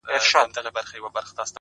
• هېره مي يې ـ